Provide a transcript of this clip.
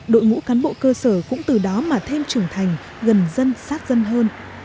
đội ngũ cán bộ cơ sở cũng từ đó mà thêm trưởng thành gần dân sát dân hơn